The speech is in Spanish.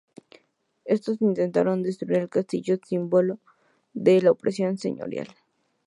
Estos intentaron destruir el castillo, símbolo de la opresión señorial.